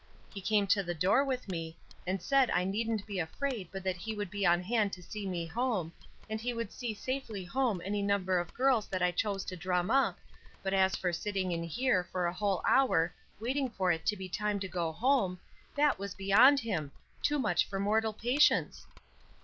He came to the door with me, and said I needn't be afraid but that he would be on hand to see me home, and he would see safely home any number of girls that I chose to drum up, but as for sitting in here a whole hour waiting for it to be time to go home, that was beyond him too much for mortal patience!